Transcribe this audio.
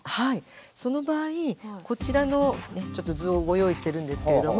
その場合こちらのちょっと図をご用意してるんですけれども。